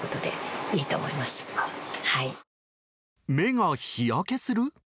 目が日焼けする？